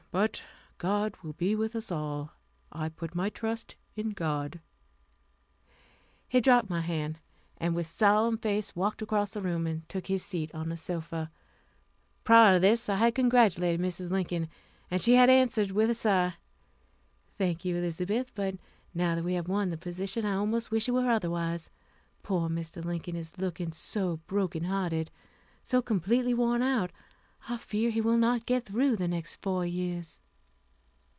But God will be with us all. I put my trust in God." He dropped my hand, and with solemn face walked across the room and took his seat on the sofa. Prior to this I had congratulated Mrs. Lincoln, and she had answered with a sigh, "Thank you, Elizabeth; but now that we have won the position, I almost wish it were otherwise. Poor Mr. Lincoln is looking so broken hearted, so completely worn out, I fear he will not get through the next four years."